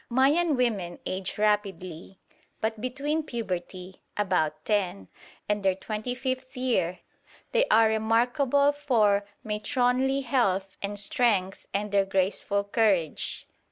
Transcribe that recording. Mayan women age rapidly; but between puberty (about ten) and their twenty fifth year they are remarkable for matronly health and strength and their graceful carriage.